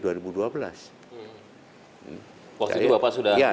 waktu itu bapak sudah di jakarta